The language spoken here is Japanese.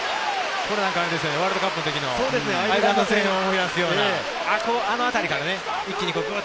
ワールドカップの時のアイルランド戦を思い出すような。